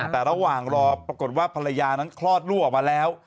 แต่ระหว่างรอปรากฏว่าภรรยานั้นคลอดลูกออกมาแล้ว